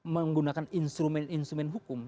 menggunakan instrumen instrumen hukum